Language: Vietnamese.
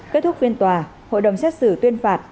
kết thúc phiên tòa hội đồng xét xử tuyên phạt